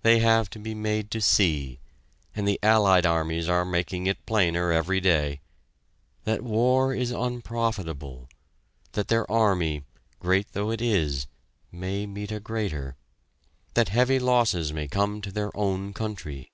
They have to be made to see and the Allied armies are making it plainer every day that war is unprofitable; that their army, great though it is, may meet a greater; that heavy losses may come to their own country.